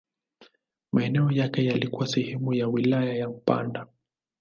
Maeneo yake yalikuwa sehemu ya wilaya ya Mpanda.